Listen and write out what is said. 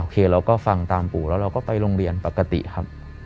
เราก็ฟังตามปู่แล้วเราก็ไปโรงเรียนปกติครับ